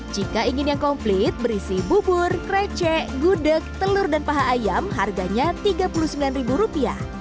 jika ingin yang komplit berisi bubur krecek gudeg telur dan paha ayam harganya rp tiga puluh sembilan